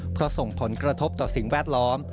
เพราะส่งผลกระทบต่อสิ่งแวดล้อม